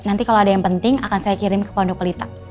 nanti kalau ada yang penting akan saya kirim ke pondok pelita